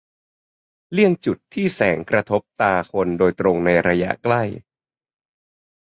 -เลี่ยงจุดที่แสงกระทบตาคนโดยตรงในระยะใกล้